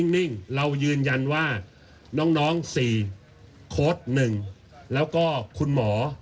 นิ่งเรายืนยันว่าน้อง๔โค้ด๑แล้วก็คุณหมอ